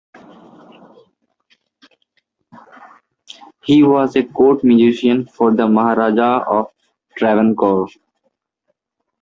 He was a court musician for the Maharajah of Travancore.